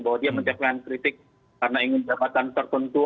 bahwa dia menjawab kritik karena ingin dapatkan tertentu